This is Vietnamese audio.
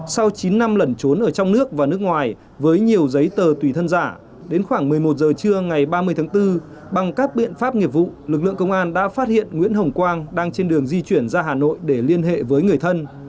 sau chín năm lẩn trốn ở trong nước và nước ngoài với nhiều giấy tờ tùy thân giả đến khoảng một mươi một giờ trưa ngày ba mươi tháng bốn bằng các biện pháp nghiệp vụ lực lượng công an đã phát hiện nguyễn hồng quang đang trên đường di chuyển ra hà nội để liên hệ với người thân